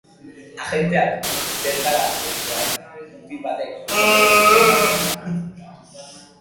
Agenteak bertara heltzean, mutil batek ireki zien atea.